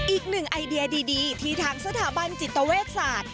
อีกหนึ่งไอเดียดีที่ทางสถาบันจิตเวชศาสตร์